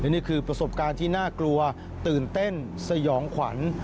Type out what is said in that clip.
นี่คือประสบการณ์ที่น่ากลัวตื่นเต้นสยองขวัญ